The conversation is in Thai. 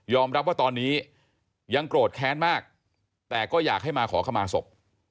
รับว่าตอนนี้ยังโกรธแค้นมากแต่ก็อยากให้มาขอขมาศพ